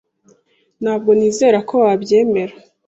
Ntabwo nizera ko wabyemera.